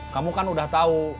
kamu kan udah tahu